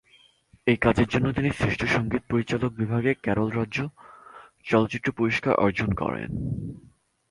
এই কাজের জন্য তিনি শ্রেষ্ঠ সঙ্গীত পরিচালক বিভাগে কেরল রাজ্য চলচ্চিত্র পুরস্কার অর্জন করেন।